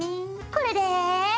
これで。